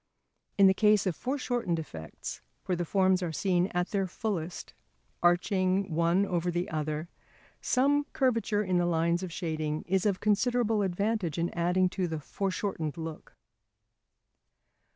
In the case of foreshortened effects, where the forms are seen at their fullest, arching one over the other, some curvature in the lines of shading is of considerable advantage in adding to the foreshortened look.